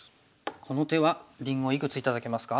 この手はりんごいくつ頂けますか？